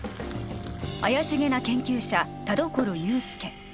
怪しげな研究者田所雄介